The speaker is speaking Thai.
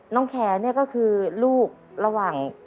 น้องแขก็คือลูกระหว่าง